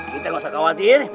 kita nggak usah khawatir